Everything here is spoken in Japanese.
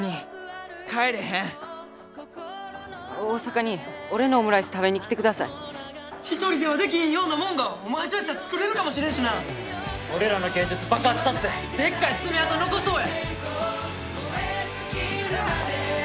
大阪に俺のオムライス食べに来てください１人ではできひんようなもんがお前とやったら作れるかもしれんしな俺らの芸術爆発させてでっかい爪痕残そうや！